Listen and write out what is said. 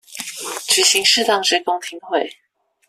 舉行適當之公聽會